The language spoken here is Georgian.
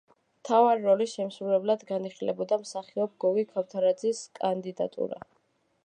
მთავარი როლის შემსრულებლად განიხილებოდა მსახიობ გოგი ქავთარაძის კანდიდატურა.